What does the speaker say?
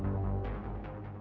tiga kekuatan yang ada di sana